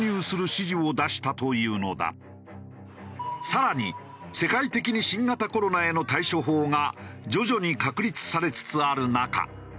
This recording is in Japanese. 更に世界的に新型コロナへの対処法が徐々に確立されつつある中